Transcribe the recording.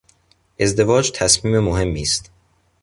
ازدواج تصمیم مهمی است.